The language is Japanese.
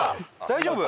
大丈夫？